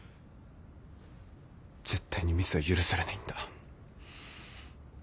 絶対にミスは許されないんだ。